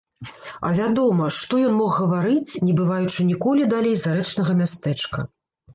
А вядома, што ён мог гаварыць, не бываючы ніколі далей зарэчнага мястэчка.